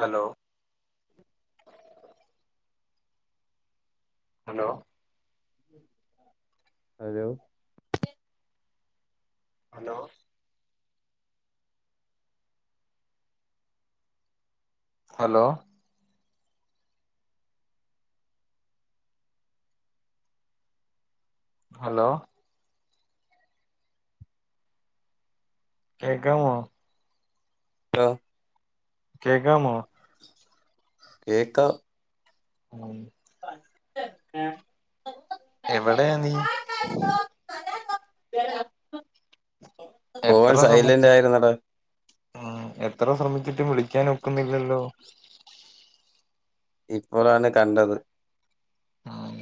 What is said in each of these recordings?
Hello hello hello hello hello hello കേക്കാമോ ലോ കേക്കാമോ കേക്കാം ഉം എവിടെയാ നീ ഫോൺ എത്ര സൈലന്റ് ശ്രമിച്ചു ആയിരുന്നടാ ഉം എത്ര ശ്രമിച്ചിട്ടും വിളിക്കാൻ ഒക്കുന്നില്ലല്ലോ ഇപ്പോളാണ് കണ്ടത് മം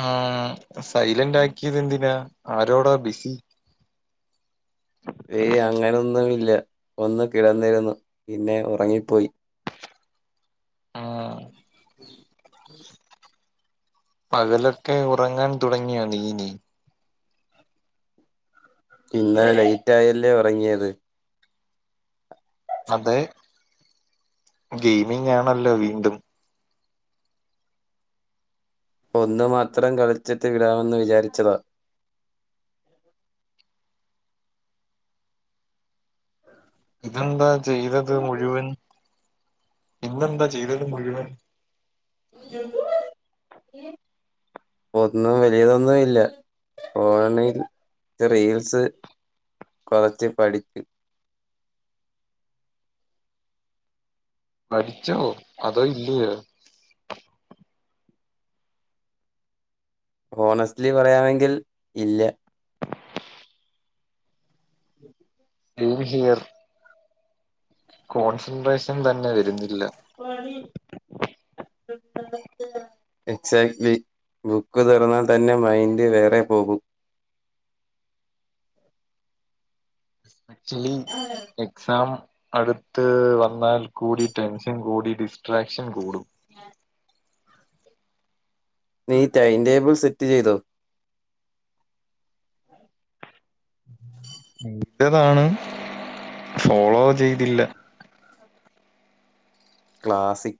മം സൈലന്റ് ആക്കിയത് എന്തിനാ ആരോടാ ബിസി ഏയ്. അങ്ങനൊന്നും ഇല്ല ഒന്ന് കിടന്നിരുന്നു പിന്നെ ഒറങ്ങിപ്പോയി.. ഉം പകലൊക്കെ ഒറങ്ങാൻ തുടങ്ങിയൊ. നീ. നി. ഇന്നലെ ലൈറ്റായല്ലേ. ഒറങ്ങിയത്. അതെ ഗൈമിംഗ് ആണല്ലോ വീണ്ടും. ഒന്ന് മാത്രം കളിച്ചിട്ട് വിടാമെന്ന് വിചാരിച്ചതാ.. ഇതെന്താ ചെയ്തത് മുഴുവൻ ഇന്നെന്താ ചെയ്തത് മുഴുവൻ.. ഒന്നും വല്യതൊന്നും ഇല്ല ഫോണിൽ ത് റീൽസ് കൊറച്ച് പഠിപ്പി പഠിച്ചോ. അതോ ഇല്ലിയൊ.. ഹോണസ്റ്റ്ലി പറയാണങ്കി. ഇല്ല. [inaudible] റ്റു ഹിയർ.. കോൺസെൻട്രേഷൻ തന്നെ വരുന്നില്ല.. പടിം. [unintelligible] എക്സാക്ലി ബുക്ക് തൊറന്നാതന്നെ മൈൻഡ് വേറെ പോകും.. ആക്ച്വലി എക്സാം.. അടുത്ത് വന്നാൽ കൂടി ടെൻഷൻ കൂടി ഡിസ്ട്രാക്ഷൻ കൂടും.. [inaudible] നീ ടൈംടേബിൾ സെറ്റ് ചെയ്തോ. ഇൻട്ടതാണ്. ഫോളോ ചെയ്തില്ല.. ക്ലാസിക്..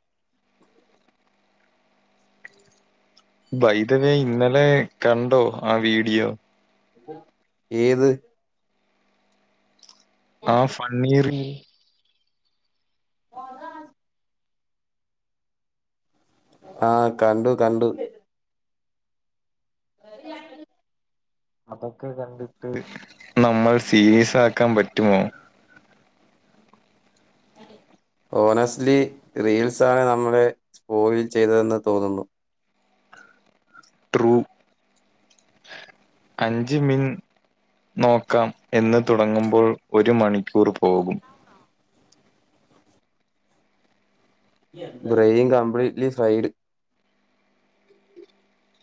ബൈതവേ ഇന്നലെ കണ്ടോ ആഹ് വീഡിയോ.. ഏത്.. ആഹ് ഫണ്ണീ റീൽ മൊഗാ. ആഹ് കണ്ടു കണ്ടു. [inaudible] അതൊക്കെ കണ്ടിട്ട് നമ്മൾ സീരിയസ് ആക്കാൻ പറ്റുമോ.. ഹോണസ്റ്റ്ലി റീൽസാണ് നമ്മളെ സ്പോയിൽ ചെയ്തതെന്ന് തോന്നുന്നു.. ട്രൂ അഞ്ച് മിൻ നോക്കാം എന്ന് തുടങ്ങുമ്പോൾ ഒരു മണിക്കൂർ പോകും.. ബ്രെയിൻ കംപ്ലീറ്റ്ലി ഫൈഡ്..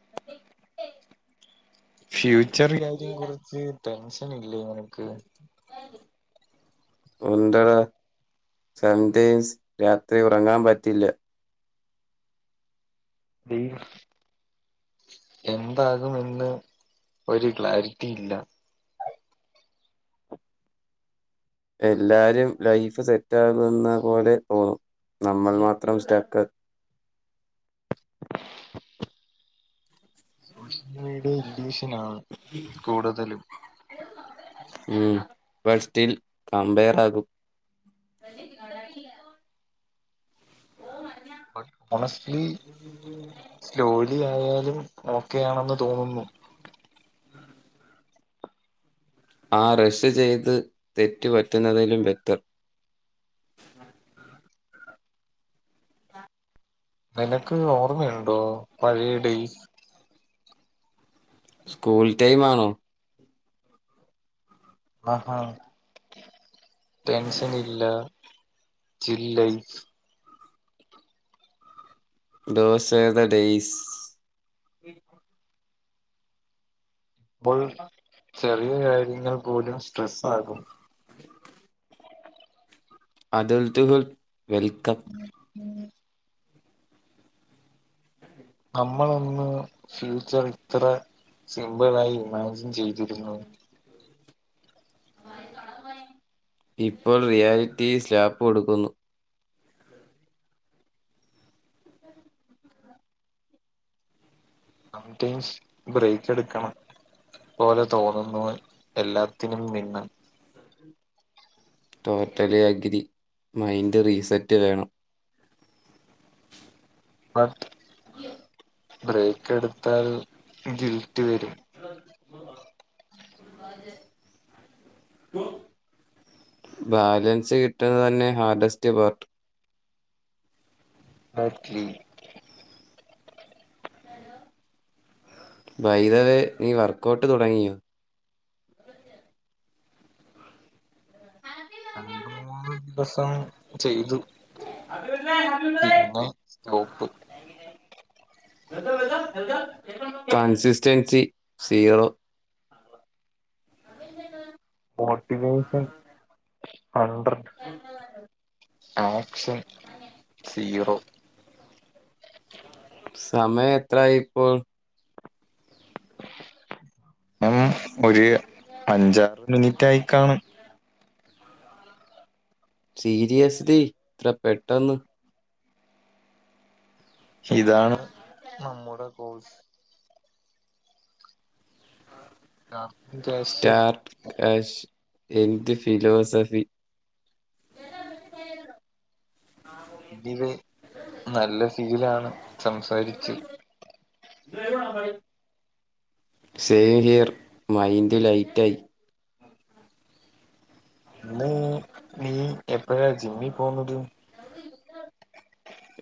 [unintelligible] ഫ്യൂച്ചർ കാര്യം കൊറച്ച് ടെൻഷൻ ഇല്ലേ നിനക്ക്.. ഉണ്ടട സം ടൈംസ് രാത്രി ഉറങ്ങാൻ പറ്റില്ല.. റീൽസ് എന്താകുമെന്ന് ഒരു ക്ലാരിറ്റി ഇല്ല.. എല്ലാരും ലൈഫ് സെറ്റാകുന്ന പോലെ തോന്നും. നമ്മൾ മാത്രം സ്റ്റക്ക്.. സോഷ്യൽമീഡിയ ഇല്ലൂഷനാണ്. കൂടുതലും [inaudible] ഉം. ഇപ്പ സ്റ്റിൽ കമ്പയർ ആകും.. [inaudible] ഹോണസ്റ്റ്ലി സ്ലോലി ആയാലും ഓക്കെയണെന്ന് തോന്നുന്നു. ആഹ് റെഷ് ചെയ്ത് തെറ്റ് പറ്റുന്നതിലും ബെറ്റർ. നിനക്ക് ഓർമ്മയുണ്ടോ പഴയ ഡൈസ്. സ്കൂൾ ടൈംമാണോ. ആഹാ. ടെൻഷൻ ഇല്ല. Chill. Life.. those are the days.. V. Four. പ്പോൾ ചെറിയ കാര്യങ്ങൾ പോലും സ്ട്രെസ്സാകും [inaudible] അഡൾട്ടുകൾ വെൽക്കം നമ്മളന്ന് ഫ്യൂച്ചർ ഇത്ര സിമ്പിളായി ഇമാജിൻ ചെയ്തിരുന്നോ? ഇപ്പോൾ റിയാലിറ്റി സ്ലാപ്പ് കൊടുക്കുന്നു. സംടൈംസ് ബ്രേക്ക് എടുക്കണം പോലെ തോന്നുന്നു എല്ലാത്തിനും മിന്നൽ - ടോട്ടലി അഗ്രി മൈൻഡ് റീസെറ്റ് വേണം ബട്ട് ബ്രേക്ക് എടുത്താൽ ഗിൽറ്റ് വരും [inaudible] [unintelligible] ബാലൻസ് കിട്ടുന്നത് തന്നെ ഹാർഡസ്റ്റ് പാർട്ട് നോക്കി ബൈ ദ വേ നീ വർക്കഔട്ട് തുടങ്ങിയോ? രണ്ട് മൂന്ന് ദിവസം ചെയ്തു പിന്നെ nope consistency zero motivation hundred action zero സമയം എത്രായി ഇപ്പോ? എഹ് ഒരു അഞ്ചാറ് മിനിറ്റായിക്കാണും സീരിയസലി ഇത്ര പെട്ടന്ന് ഇതാണ് നമ്മുടെ കോഴ്സ് ആഹ് സ്റ്റാർട്ട് ഹാഷ് എന്ത് ഫിലോസഫി ഇത് നല്ല ഫീലാണ് സംസാരിക്കും സേവ് ഹിയർ മൈൻഡ് ലൈറ്റായി ഇന്ന് നീ എപ്പഴാ ജിമ്മീ പോകുന്നത്?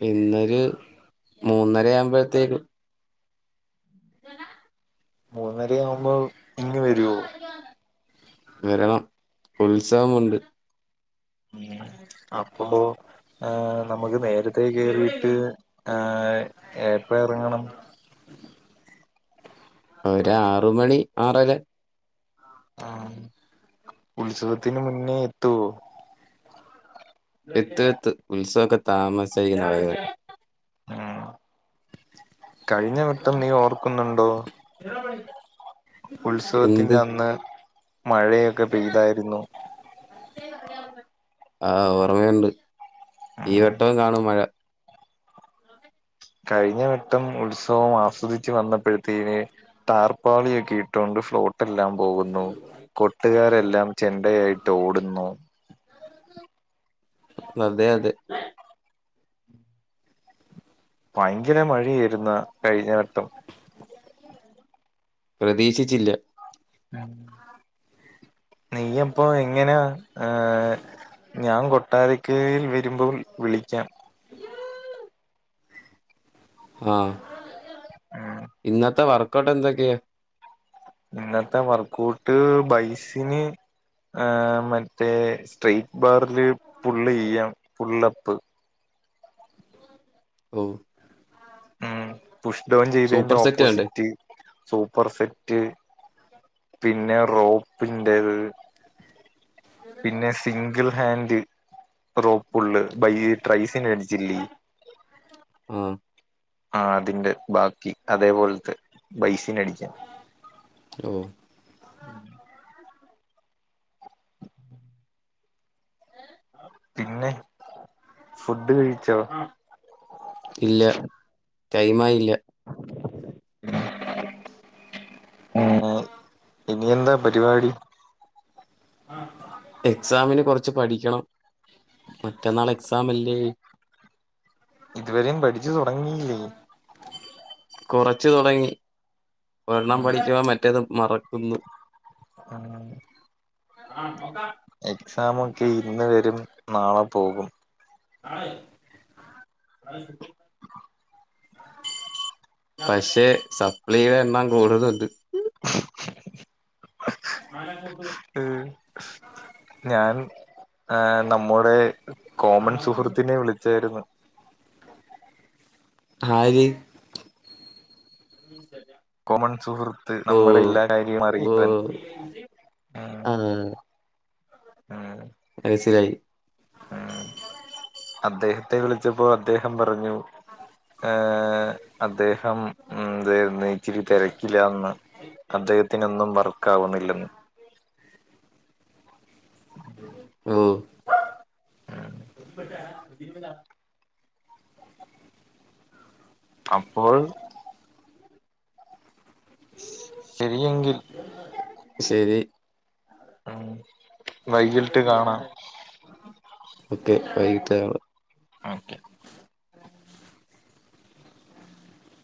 ഇന്നൊരു മൂന്നര ആവുമ്പോഴത്തേക്ക് സനാ മൂന്നരയാവുമ്പോ ഇങ്ങ് വരോ? [unintelligible] വരാം ഉത്സാഹമുണ്ട് ഉം അപ്പോ ഏഹ് നമ്മക്ക് നേരത്തെ കേറിയിട്ട് ഏഹ് എപ്പഴറങ്ങണം? ഒരാറു മണി ആറര ആ ഉത്സവത്തിന് മുന്നേ എത്തോ? എത്തും എത്തും ഉത്സവൊക്കെ താമസ [unintelligible] ഉം കഴിഞ്ഞ വട്ടം നീ ഓർക്കുന്നുണ്ടോ? [unintelligible] എന്ത് ഉത്സവത്തിന്റെ അന്ന് മഴയൊക്കെ പെയ്തായിരുന്നു ആഹ് ഓർമ്മയുണ്ട് ഈ ഉം വട്ടം കാണും മഴ കഴിഞ്ഞവട്ടം ഉത്സവം ആസ്വദിച്ചു വന്നപ്പഴത്തേന് ടാർപാളിയൊക്കെ ഇട്ടോണ്ട് ഫ്ലോട്ടല്ലാം പോകുന്നു കൊട്ടുകാരെല്ലാം ചെണ്ടയായിട്ട് ഓടുന്നു ന്നതെ അതെ ഭയങ്കര മഴയായിര്ന്ന് കഴിഞ്ഞ വട്ടം പ്രതീക്ഷിച്ചില്ല നീയപ്പൊ എങ്ങനാ ഏഹ് ഞാൻ കൊട്ടാരക്കേൽ വരുമ്പോൾ വിളിക്കാം ആഹ് ഉം ഇന്നത്തെ വർക്കഔട്ട് എന്തൊക്കെ? ഇന്നത്തെ വർക്കഔട്ട് ബൈസിന്. ഏഹ് മറ്റേ സ്ട്രെറ്റ് ബാറില് ഫുള്ളെയ്യാം ഫുള്ളപ്പ്. ഓഹ് ഉം പുഷ് ഡോൺ ചെയ്തേന്റെ സൂപ്പർ സെറ്റ് കണ്ടേ ഓപ്പോസിറ്റ്. സൂപ്പർ സെറ്റ് പിന്നെ റോപ്പിന്റത്. Single hand റോപ്പുള്ള് ബൈയ് ട്രറൈസിനടിച്ചില്ലേ? ആഹ് ആഹ് അതിന്റെ ബാക്കി അതേപോൽത്തെ ബൈസിന അടിക്കൻ. ഓഹ് ഉം ആഹ് പിന്നെ ഫുഡ് കഴിച്ചോ? ഇല്ല ടൈം ആയി ഇല്ല. [inaudible] ആഹ് ഇനി എന്താ പരിപാടി? എക്സാമിന് കൊറച്ച് പഠിക്കണം മറ്റന്നാൾ എക്സാം അല്ലേ? ഇതുവരെയും പഠിച്ചു തൊടങ്ങിയില്ലേ? കൊറച്ചു തുടങ്ങി ഒരെണ്ണം ഉം പഠിക്കവാ മറ്റേത് മറക്കുന്നു. ഉം ആഹ് നൊക്ക എക്സാമൊക്കെ ഇന്ന് വരും നാളെ പോകും. [unintelligible] പക്ഷെ സപ്ലീടെ എണ്ണം കൂടുന്നുണ്ട്. [unintelligible] ഏ ഞാൻ ആഹ് നമ്മുടെ. കോമൺ സുഹൃത്തിനെ വിളിച്ചായിരുന്നു. ആര് [unintelligible] കൊമൺ സുഹൃത്ത് ഓ നമ്മുടെ എല്ലാ കാര്യും ഓ അറിയുന്നൻ ഉം ആഹ് ഉം മനസ്സിൽ ആയി ഉം അദ്ദേഹത്തെ വിളിച്ചപ്പോ അദ്ദേഹം പറഞ്ഞു. ആഹ് ആഹ് അദ്ദേഹം എന്തെര്ന്നു ഇച്ചിരി തെരക്കി ലാന്ന് അദ്ദേഹത്തിനൊന്നും വർക്ക് ആവുന്നില്ലെന്ന്. ഓഹ് [unintelligible] അപ്പോൾ ശരിയെങ്കിൽ ശരി ആഹ് ഓക്കെ വൈകിട്ട് കാണാ ഓക്കെ